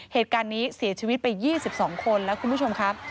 เหตุการณ์นี้เสียชีวิตไป๒๒คนแล้วคุณผู้ชมครับ